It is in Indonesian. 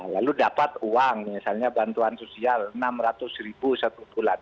lalu dapat uang misalnya bantuan sosial rp enam ratus ribu satu bulan